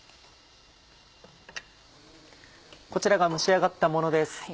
こちらが蒸し上がったものです。